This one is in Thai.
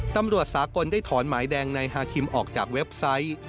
ตำรวจสากลได้ถอนหมายแดงในฮาคิมออกจากเว็บไซต์